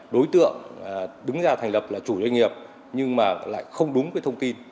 đối tượng đứng ra thành lập là chủ doanh nghiệp nhưng mà lại không đúng cái thông tin